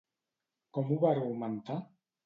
Com ho va argumentar?